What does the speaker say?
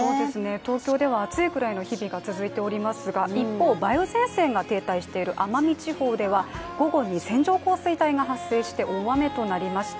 東京では暑いくらいの日々が続いておりますが一方、梅雨前線が停滞している奄美地方では午後に線状降水帯が発生して大雨となりました。